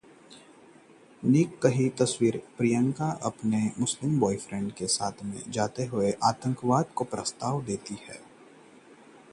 निक की तस्वीर देख प्रियंका को आया प्यार, स्टेटस पर लगाई